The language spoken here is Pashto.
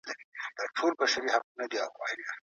ته د خپلي کورنۍ د خوشحالۍ له پاره کار کي وې.